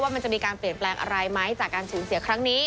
มันจะมีการเปลี่ยนแปลงอะไรไหมจากการสูญเสียครั้งนี้